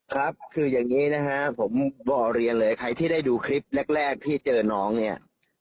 ครับคืออย่างนี้นะฮะผมบอกเรียนเลยใครที่ได้ดูคลิปแรกที่เจอน้องเนี่ย